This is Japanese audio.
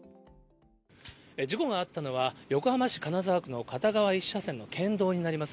事故があったのは、横浜市金沢区の片側１車線の県道になります。